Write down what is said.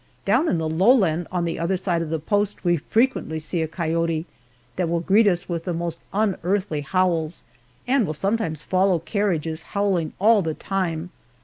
Down in the lowland on the other side of the post we frequently see a coyote that will greet us with the most unearthly howls, and will sometimes follow carriages, howling all the time.